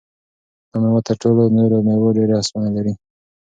دا مېوه تر ټولو نورو مېوو ډېر اوسپنه لري.